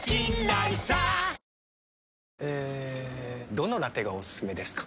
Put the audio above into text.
どのラテがおすすめですか？